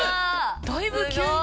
だいぶ急に。